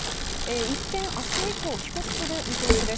一転、明日以降帰国する見通しです。